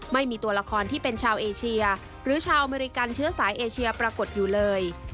ไม่มีตัวละครที่เป็นชาวเอเชียหรือชาวอเมริกันเชื้อสายเอเชียปรากฏอยู่เลย